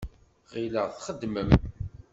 Ɣileɣ txeddmem.